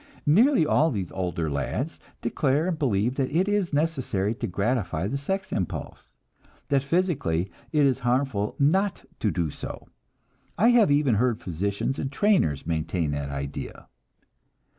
Nearly all these older lads declare and believe that it is necessary to gratify the sex impulse, that physically it is harmful not to do so. I have even heard physicians and trainers maintain that idea.